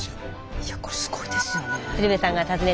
いやこれすごいですよね。